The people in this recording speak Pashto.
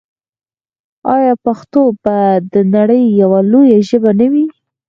آیا پښتو به د نړۍ یوه لویه ژبه نه وي؟